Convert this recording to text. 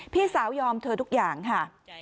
พี่สาวยอมเธอทุกอย่างค่ะ